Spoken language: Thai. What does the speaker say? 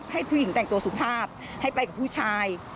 ให้ผู้หญิงแต่งตัวสุภาพให้ไปกับผู้ชาย